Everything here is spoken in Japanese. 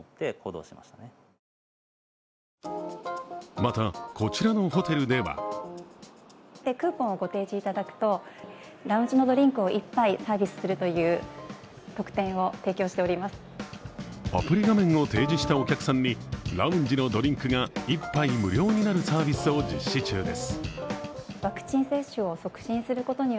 また、こちらのホテルではアプリ画面を提示したお客さんにラウンジのドリンクが１杯無料になるサービスを実施中です。